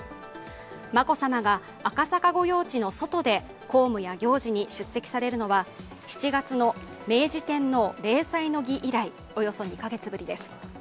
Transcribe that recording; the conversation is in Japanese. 眞子さまが赤坂御用地の外で公務や行事に出席されるのは７月の明治天皇例祭の儀以来およそ２カ月ぶりです。